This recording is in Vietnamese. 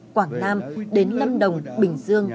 quảng nam đến lâm đồng bình dương